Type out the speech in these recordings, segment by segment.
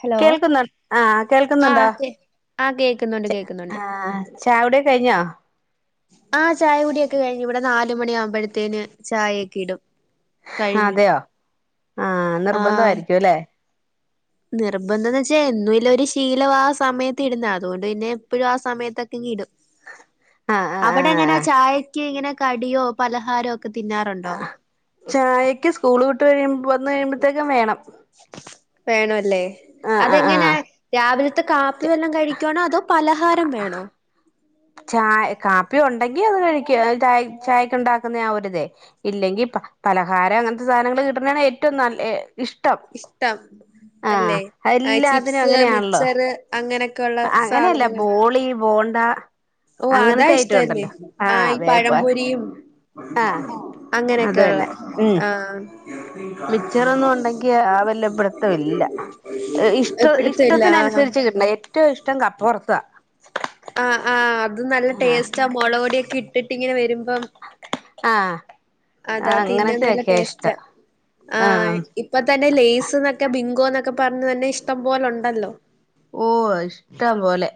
Hello കേൾക്കുന്നു ആ ആഹ് കേൾക്കുന്നുണ്ടോ കേ ആഹ് കേക്കുന്നുണ്ട് കേക്കുന്നുണ്ട് ആഹ് ചാവിയുടിക്കെ കഴിഞ്ഞോ ആ ചായ കുടിയൊക്കെ കഴിഞ്ഞു ഇവിടെ നാലുമണി ആവുമ്പോഴത്തേന് ചായ ഒക്കെ ഇടും കഴിഞ്ഞു അതെയോ ആഹ് നിർബന്ധ ആയിരിക്കും അല്ലേ നിർബന്ധം എന്ന് വെച്ചാൽ എന്നുള്ള ഒരു ശീലം ആ സമയത്ത് ഇടുന്ന അതൊണ്ട് പിന്നെ എപ്പോഴും ആ സമയത്തൊക്കെ ഇങ്ങി ഇടും ആ അവിടെ അങ്ങനെ ചായക്ക് ഇങ്ങനെ കടിയോ പലഹാരോ ഒക്കെ ആ തിന്നാറുണ്ടോ ചായക്ക് സ്കൂള് വിട്ട് കഴിയ്പ വന്ന് കഴിയുമ്പോത്തേക്കും വേണം വേണോല്ലേ ആഹ് ആഹ് അതെങ്ങന ആഹ് രാവിലത്തെ കാ പ്പി വല്ലോം കഴിക്കുവാണോ അതോ പലഹാരം വേണോ ചായ കാപ്പി ഉണ്ടെങ്കി അത് കഴിക്കും ചായ് ചായക്ക് ഉണ്ടാക്കുന്ന ആ ഒരിതേ ഇല്ലെങ്കി പ പലഹാരം അങ്ങനത്തെ സാധനങ്ങള് കിട്ടണയാണ് ഏറ്റവും നല്ലെ ഇഷ്ടം അല്ലെ ആഹ് ഏ എല്ലാത്തിനും ചിപ്സ് അങ്ങനെയാണല്ലോ മിച്ചറ് അങ്ങനക്കൊള്ള അങ്ങനെയല്ല സാധനങ്ങള് ബോളി ബോണ്ട ഓ അതാ അങ്ങനത്തെ ഐറ്റം ഇഷ്ടല്ലേ ഉണ്ടല്ലോ ആ ആഹ് ഈ വേപ്പ പഴംപൊരിയും ആഹ് അങ്ങനക്ക അത് തന്നെ ഒള്ളെ ഉം ആഹ് മിച്ചറൊന്നും ഉണ്ടെങ്കി ആ വല്ലപ്പിടുത്ത ഇല്ല ഏഹ് ഇഷ്ട പിടുത്തമില്ല ആഹ് ഇഷ്ടത്തിനനുസരിച്ച് കിട്ടണം ഏറ്റവും ഇഷ്ടം കപ്പ വറുത്തതാ ആഹ് ആഹ് അത് നല്ല ടേസ്റ്റാ മൊളക് പൊടിയൊക്കെ ഇട്ടിട്ടിങ്ങനെ വരുമ്പം ആഹ് അതാ ആഹ് തിന്നാൻ നല്ല അങ്ങനത്തെയൊക്കെയാ ടേസ്റ്റാ ഇഷ്ടം ആ ആഹ് ഇപ്പൊ തന്നെ ലേസ്ന്നൊക്കെ ബിങ്കോന്നൊക്കെ പറഞ്ഞ് തന്നെ ഇഷ്ടം പോല ഉണ്ടല്ലോ ഓ ഇഷ്ടം പോലെ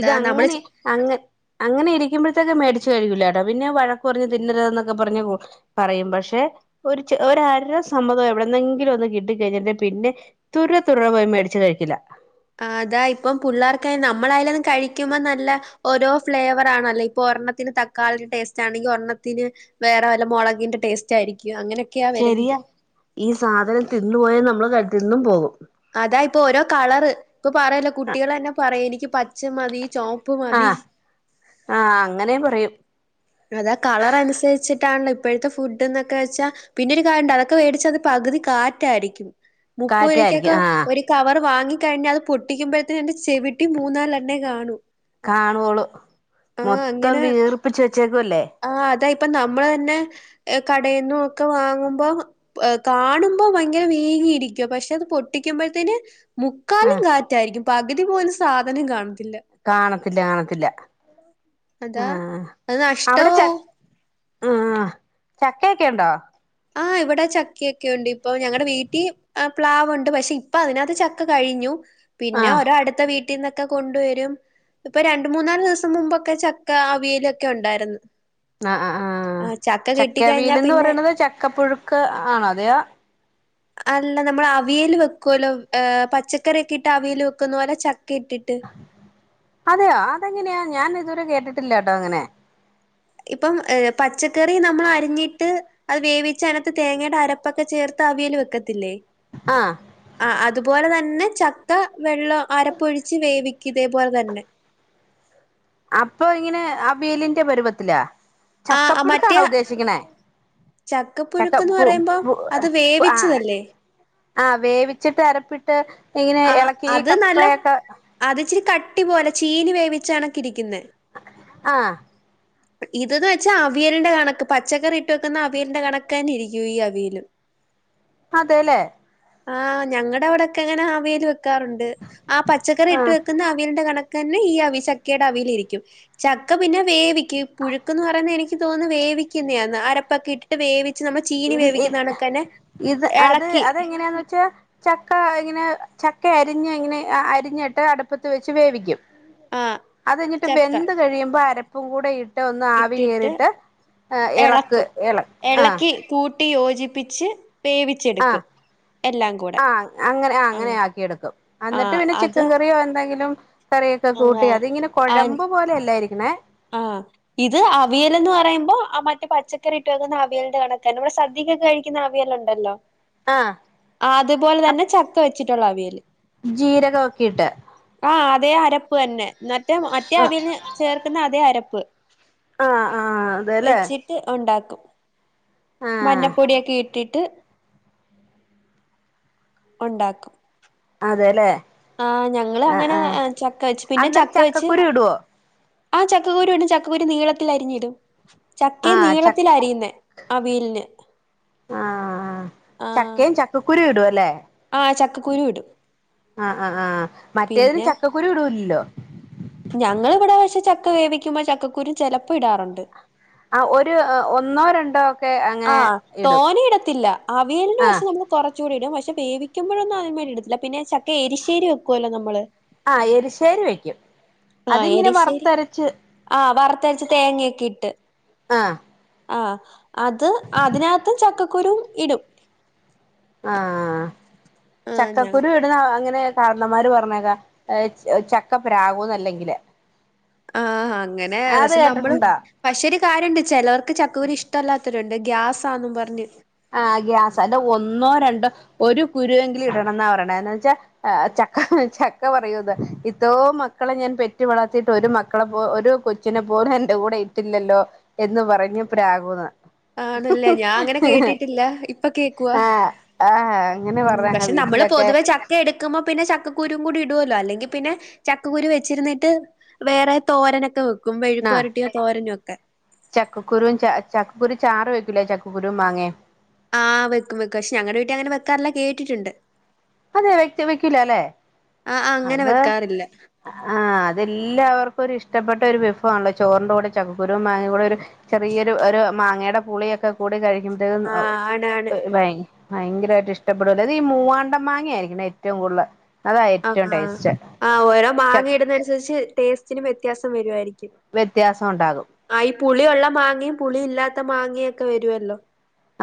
ഇത് നമ്മള് അങ്ങനെ ചെ- അങ്ങ അങ്ങനെ ഇരിക്കുമ്പഴത്തേക്കെ മേടി ച്ച് കഴിക്കൂല കേട്ടോ പിന്നെയും വഴക്ക് പറഞ്ഞ് തിന്നരുതുന്നൊക്കെ പറഞ്ഞ് [unintelligible] പറയും പക്ഷെ ഒരു ചെ ഒര് അര സമ്മതം എവിടന്നെങ്കിലും ഒന്ന് കിട്ടി കഴിഞ്ഞിട്ടിണ്ടേ പിന്നെ തുര തുര പോയി മേടിച്ച് കഴിക്കലാ ആ അതാ ഇപ്പം പുള്ളേർക്കായ നമ്മളായാലും അത് കഴിക്കുമ്പോ നല്ല ഓരോ ഫ്ലേവർ ആണല്ലോ ഇപ്പൊ ഒരെണ്ണ ത്തിന് തക്കാളീടെ ടേസ്റ്റ് ആണെങ്കി ഒരെണ്ണത്തിന് വേറെ വല്ല മൊളകിന്റെ ടേസ്റ്റ് ആയിരിക്ക് ശരിയാ ഈ സാധനം തിന്നു പോയാ നമ്മള് ക തിന്നും പോകും അതാ ഇപ്പൊ ഓരോ കളറ് ഇപ്പൊ പറയലോ ആ കുട്ടികൾ തന്നെ പറയും എനിക്ക് പച്ച മതി ചോപ്പ് മതി ആഹ് -ആഹ് അങ്ങനേം പറയും ഇപ്പഴത്തെ ഫുഡ് എന്നൊക്കെ വെച്ചാ പിന്നൊരു കാര്യുണ്ട് അതൊക്കെ വേടിച്ച അത് പകുതി കാറ്റായിരിക്കും കാറ്റായിരിക്കും മുപ്പരൂപക്കൊക്കെ ആഹ് ഒരു കവർ വാങ്ങി കഴിഞ്ഞ അത് പൊട്ടിക്കുമ്പോഴത്തേന് അതിന്റെ ചെവിട്ടി മൂന്നാലെണ്ണേ കാണൂ കാണുവോളൂ മൊത്തം വീർപ്പിച്ച് വെച്ചേ ആ അതായി ഇപ്പ നമ്മൾ തന്നെ ഏ കടേന്നും ഒക്കെ വാങ്ങുമ്പം കാണുമ്പോ ഭയങ്കര വീ ങ്ങി ഇരിക്കുവാ പക്ഷെ അത് പൊട്ടിക്കുമ്പോഴത്തേന് മുക്കാലും ആഹ് കാറ്റായിരിക്കും പകുതി പോലും സാധനം കാണ കാണത്തില്ല കാണത്തില്ല അതാ ആഹ് അഹ് അവിടെ ച നഷ്ടവാഉ ആഹ് ചക്കയൊക്കെ ഉണ്ടോ ആഹ് ഇവിടെ ചക്കയൊക്കെയുണ്ട്. ഇപ്പൊ ഞങ്ങടെ വീട്ടി ആഹ് പ്ലാവൊണ്ട്. പക്ഷെ ഇപ്പ അതിനകത്ത് ചക്ക കഴിഞ്ഞു. പിന്ന ആഹ് ഒരോ അടുത്ത വീട്ടിന്നക്കെ കൊണ്ടുവരും ഇപ്പ രണ്ട് മൂന്നാല് ദിവസം മുമ്പൊക്കെ ചക്ക അവിയലൊക്കെ ഉണ്ടാരുന്ന് ആഹ് ആഹ് ആഹ് ചക്കയവീലെന്ന് പിന്നെ പറയണത് ചക്കപ്പുഴുക്ക് ആണോ അതെയോ അല്ല നമ്മൾ അവിയൽ വെക്കുവല്ലോ. ഏഹ് പച്ചക്കറി ഒക്കെ ഇട്ട് അവിയൽ വെക്കുന്ന പോലെ ച അതെയോ അതെങ്ങനെയാ ഞാൻ ഇതുവരെ കേട്ടിട്ടില്ല ട്ടോങ്ങനെ ഇപ്പം ഏഹ് പച്ചക്കറി നമ്മൾ അരിഞ്ഞിട്ട് അത് വേവിച്ച് അതിനകത്ത് തേങ്ങേടെ അരപ്പൊക്കെ ചേർത്ത് അവിയല് വെക്കത്തില്ലേ ആഹ് ആഹ് അതുപോലെ തന്നെ ചക്ക വെള്ളം അരപ്പൊഴിച്ച് വേവി ക്കും ഇതേപോലെ തന്നെ. അപ്പൊ ഇങ്ങനെ അവിയലിന്റെ പരുവത്തിലാ? ആഹ് മറ്റേ ചക്കപ്പുഴുക്കാണോ ഉദ്ദേശിക്കണേ? ചക്ക ചക്കപ്പുഴുക്ക്ന്ന് പു പറയുമ്പോ പു അത് പു ആഹ് വേവിച്ചതല്ലേ ആഹ് വേവിച്ചിട്ട് അരപ്പിട്ട് ഇങ്ങനെ ആഹ് എളക്കി ഈ കപ്പയൊക്കെ അട്ടി പോലെ ചീനി വേവിച്ചകണക്ക് ഇരിക്കുന്നെ. ആഹ് ഇതെന്ന് വെച്ചാ അവിയലിന്റെ കണക്ക് പച്ചക്കറി ഇട്ട് വെക്കുന്ന അവിയലിന്റെ കണക്ക് തന്നെ ഇരിക്കും ഈ അവിയലും. അതേല്ലേ? ആഹ് ഞങ്ങടെവിടൊക്കെ അങ്ങനെ അവിയല് വെക്കാറുണ്ട്. ആ പച്ചക്കറി ആ ഇട്ട് വെക്കുന്ന അവിയലിന്റെ കണക് ക്ന്നെ ഈ അവി ചക്കേടെ അവിയല് ഇരിക്കും. ചക്ക പിന്നെ വേവിക്കും. പുഴുക്കെന്നു പറയുന്ന എനിക് ക് തോന്നുന്ന് വേവിക്കുന്നയാന്ന്. അരപ്പൊക്കെ ഇട്ടിട്ട് വേവി [unintelligible] ഇത് അത് എളക്കി അതെങ്ങനെയാന്ന് വെച്ചാ ചക് ക ഇങ്ങനെ ചക്ക അരിഞ്ഞ് ഇങ്ങനെ അരിഞ്ഞിട്ട് അടുപ്പത്ത് വെച്ച് വേവിക്കും. ആഹ് അത് കഴിഞ്ഞിട്ട് ചക്ക വെന്ത് കഴിയുമ്പോ അരപ്പും കൂടെ ഇട് ട് ഒന്ന് ആവി ഇട്ടിട്ട് കയറിയിട്ട് എളക്ക് ആഹ് കുട്ടി യോജിപ്പിച്ച് വേവിച്ചെടുക്കും. എല്ലാം കൂടെ ആഹ് അങ്ങനെ അങ്ങനെ ആഹ് ആക്കി എടുക്കും. അന്നിട്ട് ആഹ് പിന്നെ അത് ചിക്കൻ കറിയോ എന്തെങ്കിലും കറിയൊക്കെ കൂട്ടി അതിങ്ങനെ കൊഴമ്പ് പോലെയല്ലായിരിക്കണെ. ആഹ് ആഹ് ഇത് അവിയലെന്ന് പറയുമ്പോ മറ്റേ പച്ചക്കറിയിട്ട് വെക്കുന്ന അവിയലിന്റെ കണക്കന്നെ നമ്മടെ സദ്യക്കൊക്കെ കഴിക്കുന്ന അവിയലൊണ്ടല്ലോ? ആഹ് അതേപോലെ തന്നെ ചക്ക വെച്ചിട്ടുള്ള അവിയല്. ജീരകം ഒക്കെയിട്ട് ആഹ് അതേ അരപ്പ് തന്നെ. എന്നിട്ട് മറ്റേ അവിയലിന് ചേർ അരപ്പ് ആ ആ അതെല്ലേ വെച്ചിട്ട് ഒണ്ടാക്കും. ആ മഞ്ഞപ്പൊടിയൊക്കെ ഇട്ടിട്ട്- ഉണ്ടാക്കും. അതെലെ- ആ ഞങ്ങള് അങ്ങനെ ചക്ക വെച്ച് പിന്നെ അന്നേരം ചക്ക വെച്ച്- ചക്കക്കുരു ഇടുവോ ആ ചക്കക്കുരു ഉണ്ട് ചക്കക്കുരു നീളത്തിൽ അരിഞ്ഞിടും ആ ചക്കേം ച നീളത്തിലാ അരിയുന്നേ അവീല്ന്- ആഹ് ആഹ് ചക്കേ ചക്കക്കുരു- ഇടും ആഹ് ചക്കക്കുരു ഇടും- ആഹ് ആഹ് ആഹ് മറ്റേതിന് പിന്നെ ചക്കക്കുരു ഇടൂലുല്ലോ? ഞങ്ങളിവിടെ ക്ഷെ ചക്ക വേവിക്ക്മ്പം ചക്കക്കുരു ചെലപ്പം ഇടാറുണ്ട് - ആഹ് ഒരു ഒന്നോ രണ്ടോ - ആഹ് തോനെയിടത്തില്ല അവിയലിന് ആ പക്ഷേ നമ്മൾ കൊറ ചക്കക്കുരു ഇടും പക്ഷെവേവിക്കുമ്പോഴൊന്നു അതിനുമേണ്ടി ഇടെത്തില്ല പിന്നെ ചക്ക എരിശേരി വെക്കുവല്ലോ നമ്മള്- ആഹ് എരിശേരി വെക്കും അതിങ്ങനെ വറ്ത്തരച്ച്- വറുത്തരച്ചു തേങ്ങയൊക്കെ ഇട്ട് ആഹ ആ് അത് അതിനകത്ത് ചക്കക്കുരുും ഇടും ആഹ ആഹ് ഞാ ചക്കക്കുരു ഇടുന്ന അങ്ങനെ കാരന്നമാര് പറഞ്ഞേക്കാ ചക്കപ്രാകുന്നല്ലെങ്കിൽ ആഹ അങ്ങനെ വച്ചെ നമ്മള് പക്ഷ കാര്യമണ്ട് ചിലവർക്ക് ചക്കവരി ഇഷ്ടമല്ലാത്തവരുണ്ട് ഗ്യാസാന്നെന്നും പറഞ്ഞ് ആഹ ഗ്യാസ അല്ല ഒന്നോ രണ്ടോ ഒരു കുരുവെങ്കിലും ഇടണം എന്ന പറയണെച്ചാൽ ചക്ക ചക്ക പറയത് ഇത്ര മക്കളെ ഞാൻ പെറ്റ് വളർത്തിയിട്ട് ഒരു മക്കളെ ഒരു കൊച്ചിനെ പോലും എന്റെ കൂടെ ഇട്ടില്ലല്ലോ എന്ന് പറഞ്ഞപ്പോ പ്രാകുന്ന് ആണല്ലേ ഞാൻ അങ്ങനെ കേട്ടിട്ട് ഇപ്പൊ കേൾക്ക ആഹ് ആഹ് അങ്ങനെ പറഞ്ഞേക്കാം പക്ഷെ നമ്മള് വീട്ടിലൊക്കെ പൊതുവെ ചക്ക എടുക്കുമ്പ പിന്നെ ചക്കക്കുരുും കൂടി ഇടുല്ലോ അല്ലെങ്കിൽ പിന്നെ ചക്കക്കുരു വെച്ചിരുന്നിട്ട് വേറെ തോരനൊക്കെ വെക്കും ക്കും പെഴുരട്ടിയോ തോരനെയൊക്കെ ചക്കക്കുരു ച ചക്കക്കുരു ചാറ് വെക്കൂലേ ചക്കക്കുരു മാങ്ങയും ആഹ് വെക്കും വെക്കും പക്ഷെ ഞങ്ങളടെ വീട്ടിൽ അങ്ങനെ വെക്കാറില്ല കേട്ടിട്ടുണ്ട് അതെ വെ വെക്കല അല്ലേ ആഹ് ആഹ് അങ്ങനെ അത് വെക്കാറില്ല ആഹ അതെല്ലാവർക്കും ഇപ്പ ഒരു ഇഷ്ടപ്പെട്ട ഒരു വിഫു ആണല്ലോ ചോറിൻന്റെ കൂടെ ഒരു ഇഷ്ടപ്പെട്ട ഒരു വിഭവമാണല്ലോചോറിന്റെ ചക്കുക്കുരു മാങ്ങ കൂടെ ഒരു ചെറിയൊ ഒരു മാങ്ങയുടെ പുളിയൊക്കെ കൂടി കഴിക്കുമ്പതെ [inaudible] ആഹ് ആണ് ആണ് ഭയങ്കരായിട്ട് ഇഷ്ടപ മാങ്ങ ആായിരിക്കണേ ഏറ്റവും കൂടുതൽ. ആ ഏറ്റവും ടേസ്റ്റ് ആ് ഓരോ മാങ്ങ ഇടുന്ന അനുസരിച്ച് ടേസ്റ്റിനും വ്യത്യാസം വരുവായിരിക്കും. വ്യത്യാസം ഉണ്ടാകും. പുളിയൊള്ള മാങ്ങയും പുളി ഇല്ലാത്ത മാങ്ങിയേം ഒക്കെ വരുവല്ലോ?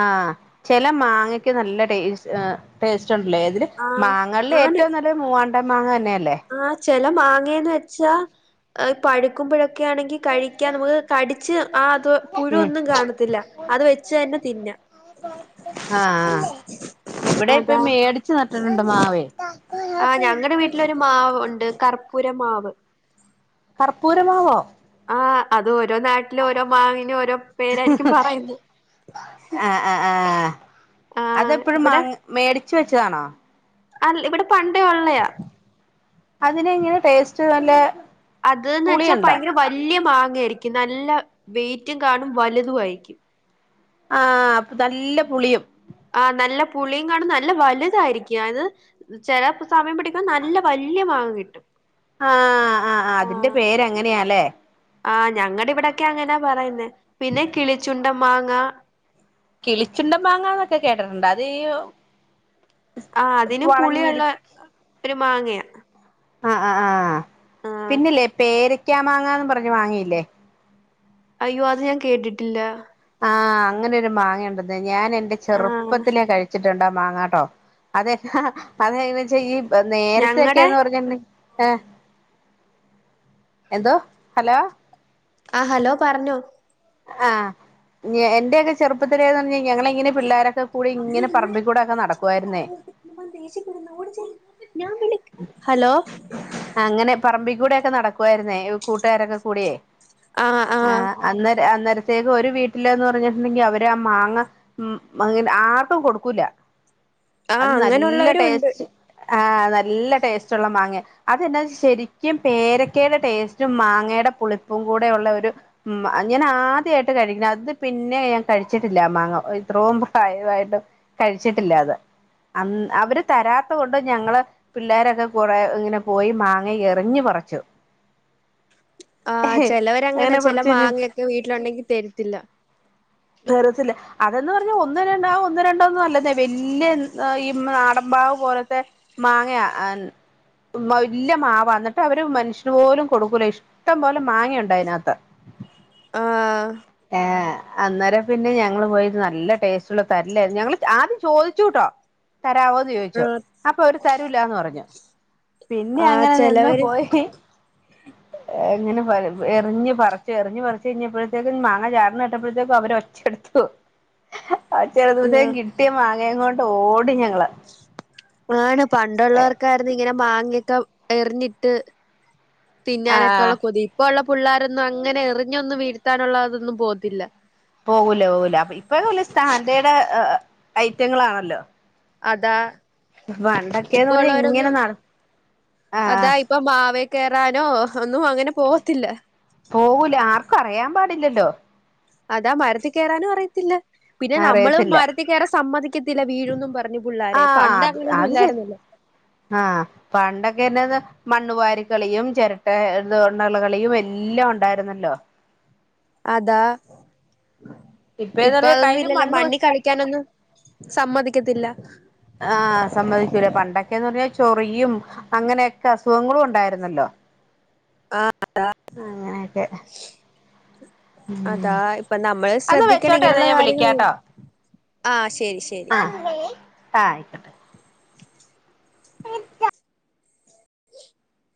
ആഹ ചില മാങ്ങക്ക് നല്ല ടെ സ് അ ടെ ല്ലേതിലും ആഹ് മാങ്ങളില് ആണ് ഏറ്റവും നല്ല മൂവാണ്ട മാങ്ങ തന്നെയല്ലേ. ചില മാങ്ങേന്ന് വെച്ചാ അഹ് പഴക്കുമ്പോഴ്ക്കെ ഒക്കെ ആണെങ്കി കഴിക്കാ മ്മക്ക് കടിച്ച് പുഴു ഉം ഒന്നും കാണത്തില്ല. ആ അത് വെച്ച് തന്നെ തിന്നാ.. ആഹ ആഹ ഇവിടെ ഇപ്പ അതാ മേടിച്ചു നട്ടിട്ടുണ്ട് മാവേ. ആ ഞങ്ങടെ വീട്ടിലൊരു മാവ് ഉണ്ട് കർപ്പൂരമാവ്. കർപ്പൂരമാവോ? ആ അത് ഓരോ നാട്ടിലും ഓരോ മാവിനും ഓരോ പേരായിരിക്കും പറയുന്ന്. അതെപ്പെഴും മാ മേടിച്ചു വെച്ചതാണാ.? അൽ ഇവിട. അതിന് എങ്ങനെ ടേസ്റ്റ് നല്ല അത് ന്ന് വെച്ചാൽ പുളിയുണ്ടോ ഭയങ്കര വല്ല്യ മാ ഈടിക്ക് നല്ല വെയിറ്റും കാണും. വലുതും ആയിരിക്കും. ആ പ്പൊ നല്ല പുളിയും. ആ നല്ല പുളിയും കാണും നല്ല വലുതായിരിക്കും. ആയത് ചെല സമയം പിടിക്ക്മ്പം നല്ല വല് വല്ല്യ മാങ്ങ കിട്ടും. ആഹ ആ് അതിന്റെ പേരങ്ങനെയല്ലേ? ആ് ഞങ്ങടെ ഇവിടൊക്കെ അങ്ങനാ പറയുന്നേ. പിന്നെ കിളിച്ചുണ്ട മാങ്ങ. കിളിച്ചുണ്ടൻ മാങ്ങാന്നൊക്കെ കേട്ടിട്ടുണ്ട് അത് ഈ ഉ ആ അതിനും പുളിയള്ള ഒരു മാങ്ങയാ. ആ ആ ആഹ്. ആഹ് പിന്നല്ലേ പേരക്കാ മാങ്ങ ന്ന് പറഞ്ഞ മാങ്ങയില്ലെ. അയ്യോ അത് ഞാൻ കേട്ടിട്ടില്ല. ആഹ് അങ്ങനൊരു മാങ്ങേണ്ടന്നെ. ഞാൻ എന്റെ ആഹ് ചെറുപ്പത്തിലെ കഴിച്ചി ട്ട് ണ്ടാ മാങ്ങാട്ടോ.? അതെ ങ്ങനാ ന്ന് വച്ച ഈ നേരത്തൊക്കെ ഞങ്ങടെ യെന്ന് പറഞ്ഞിണ്ടെ ഏ എന്തോ ഹലോ. ആഹ് ഹലോ പറഞ്ഞോ. ആഹ് എന്റെയൊക്കെ ചെറുപ്പത്തിലെ ന്ന് പറഞ്ഞാൽ ഞങ്ങള് ഇങ്ങനെ പിള്ളേരാ മ്അമ്മേ അച്ഛൻ കഥ കേട്ടിരിക്കുമ്പോ ദേഷ്യപ്പെടുന്ന്. ഓടി ചെല്ല് ഞാൻ വിളി ഹലോ. അങ്ങനെ പറമ്പിക്കൂടെയൊക്കെ നടക്കുവായിരുന്നേ. കൂട്ടുകാരൊക്കെ കൂടിയേ. ആഹ ആഹ. ആഹ് അന്നേര അന്നേരത്തേക്ക് ഒരു വീട്ടില് ന്ന് പറഞ്ഞിട്ടുണ്ടെങ്കിൽ അവര് ആ മാങ്ങ ഉങ്ങ ആർക്കും കൊടുക്കൂല. ആഹ് അത് നല്ല അങ്ങനെയുള്ളവരും ഉണ്ട് ടേസ്റ്റ് ആഹ നല്ല ടേസ്റ്റ് ഉള്ള മാങ്ങ യാ അത് ന്നാ ശരിക്കും പേരക്കയുടെ ടേസ്റ്റും മാങ്ങയുടെ പുളിപ്പും കൂടെയുള്ള ഒരു മ് അ ഞാൻ ആദ്യമായിട്ട് കഴിക്ക്ണെ. അത് പിന്നെ ഞാൻ കഴിച്ചിട്ടില്ല ആ മാങ്ങ ഇത്രോം പ്രായമായിട്ട്. കഴിച്ചിട്ടില്ല അത്. അന്ന്, അവര് തരാത്ത കൊണ്ട് ഞങ്ങള് പിള്ളേരൊക്കെ കൊറേ ഇങ്ങനെ പോയി മാങ്ങ എറിഞ്ഞു പറച്ചു. ആ ചിലോരങ്ങനെ ചെല മാങ്ങൊക്കെ വീട്ടിലുണ്ടെങ്കി തരത്തില്ല. തരത്തില്ല. അത് ന്ന് പറഞ്ഞാ ഒന്ന് രണ്ടാ ഒന്ന് രണ്ടൊന്നും അല്ലെന്നെ. വല്ല്യ ഈ നാട ബാവ് പോലത്തെ മാങ്ങയാ അഹ് വല്ല്യ മാവാ. എന്നിട്ട് അവര് മനുഷ്യന് പോലും കൊടുക്കൂല. ഇഷ്ടം പോലെ മാങ്ങയുണ്ട് അതിനകത്ത്. ആഹ ഏ അന്നേരം പിന്നെ ഞങ്ങള് പോയിരുന്ന് നല്ല ടേസ്റ്റ്ള്ള തരില്ലായിരുന്നു ഞങ്ങള് ആദ്യംചോദിച്ചു ചോദിച്ചുട്ടോ. തരാവോ ന്ന് ചോയ്ച്ചു. ആഹ് അപ്പൊ ഓര് തരൂലാന്ന് പറഞ്ഞു. പിന്നെ ആഹ് അങ്ങനെ നിന്ന് ചെലവര് പോയി ങ്ങനെ പറയും എറിഞ്ഞ് പറിച്ചു എറിഞ്ഞ് പറിച്ച് കഴിഞ്ഞപ്പോഴത്തേക്കും മാങ്ങ ചാടണ കേട്ടപ്പോഴത്തേക്കും അവര് ഒച്ചെടു ആ ചെറുതേ ആഹ് കിട്ടിയ മാങ്ങയങ്ങയും കൊണ്ടോടി ഞങ്ങള് ആണ് പണ്ടുള്ളവർക്കായിരുന്നു ഇങ്ങനെ മാങ്ങിയൊക്കെ എറിഞ്ഞിട്ട് തിന്നാനൊക്കെ ആഹ് ഉള്ള കൊതി ഇപ്പ ഉള്ള പിള്ളോരൊന്നും അങ്ങനെ എറിഞ്ഞൊന്നും വീഴ ത്താനുള്ള അതൊന്നും പോകത്തില്ല പോകൂല പോകൂല അപ്പൊ ഇപ്പൊഴുല്ല സ്റ്റാൻഡേർഡ് ഐറ്റങ്ങളാണല്ലോ അതാ പണ്ടൊക്കെന്ന് ഇപ്പൊ പറഞ്ഞാ ഇങ്ങനെ ഉള്ളവരന്നും നട അതാ ആഹ് ഇപ്പൊ മാവ കേറാനോ പോവൂല ആർക്കും അറിയാൻ പാടില്ലല്ലോ അതാ മരത്തി കയറാനും അറിയത്തില്ല പിന്നെ നമ്മള് അറിയത്തില്ല മരത്തി കയറാൻ സമ്മതിക്കത്തില്ല വീഴൊന്നും പറഞ്ഞ് ആഹ് അത് അത് ശരി ആഹ് പണ്ടൊക്കെന്നന്ന് മണ്ണുവാാരി കളിയും ചിരട്ട തുകൊണ്ടുള്ള കളിയും എല്ലാം ഉണ്ടായിരുന്നല്ലോ അതാ ഇപ്പേന്ന് ഇപ്പൊ പറഞ്ഞാൽ അതൊന്നും കയ്യില് ഇല്ലല്ലോ മണ്ണ് മണ്ണി കളിക്കാനൊന്നും സമ്മതിക്കത്തില്ല ആഹ് സമ്മതിക്കൂല പണ്ടൊക്കെന്ന് പറഞ്ഞാൽ ചൊറിയും അങ്ങനെയൊക്കെ അസുഖങ്ങളും ഉണ്ടായിരുന്നല്ലോ അങ്ങനെയൊക്കെ ഉം അതാ ഇപ്പൊ നമ്മള് അന്ന് ശ്രദ്ധിക്കണ് വെച്ചോട്ടെ എന്നാ ഇങ്ങനെയുള്ള ഞാൻ കാര്യങ്ങള് വിളിക്കാട്ടോ ആ ശരി ശരി ആഹ് ആയിക്കട്ടെ [inaudible]